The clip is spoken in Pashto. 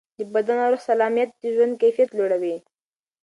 د بدن او روح سالمیت د ژوند کیفیت لوړوي.